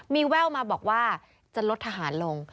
มีแววมาบอกว่าจะลดทหารลง